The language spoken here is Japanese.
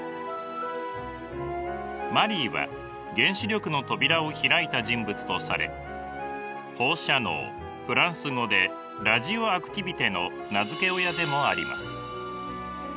マリーは原子力の扉を開いた人物とされ放射能フランス語でラジオアクティビテの名付け親でもあります。